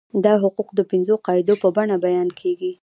دا حقوق د پنځو قاعدو په بڼه بیان کیږي.